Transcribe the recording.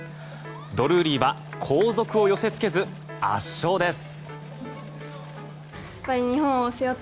ドルーリーは後続を寄せ付けず圧勝です。